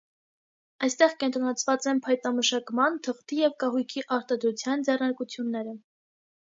Այստեղ կենտրոնացված են փայտամշակման, թղթի և կահույքի արտադրության ձեռնարկությունները։